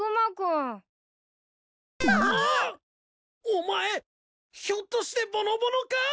お前ひょっとしてぼのぼのか？